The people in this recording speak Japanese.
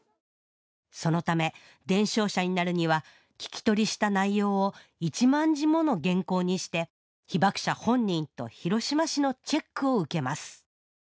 そのため伝承者になるには聞き取りした内容を１万字もの原稿にして被爆者本人と広島市のチェックを受けます。